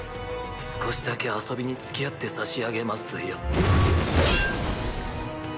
少しだけ遊びに付き合ってさしあげますよ。